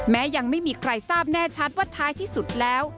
ยังไม่มีใครทราบแน่ชัดว่าท้ายที่สุดแล้ว